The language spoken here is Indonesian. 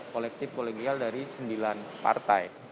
kolektif kolegial dari sembilan partai